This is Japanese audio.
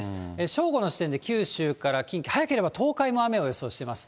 正午の時点で九州から近畿、早ければ東海も雨を予想しています。